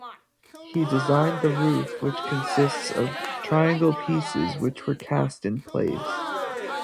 He designed the roof which consists of triangle pieces which were cast in place.